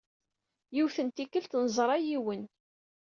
Yiwet n tikkelt, neẓra yiwen.